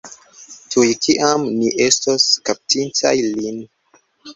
Tuj kiam ni estos kaptintaj lin.